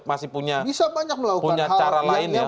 masih punya cara lain ya